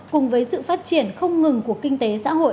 cùng với sự phát triển không ngừng của kinh tế xã hội